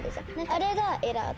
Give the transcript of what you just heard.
あれがエラ。